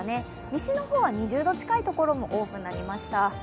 西の方は２０度近いところも多くなりました。